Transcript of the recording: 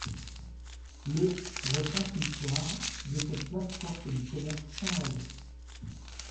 Le retrace l'histoire de cette place forte du commerce finlandais.